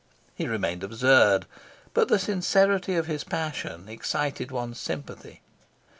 He remained absurd, but the sincerity of his passion excited one's sympathy.